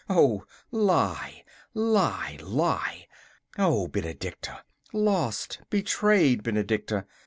Oh, lie, lie, lie! O Benedicta lost, betrayed Benedicta!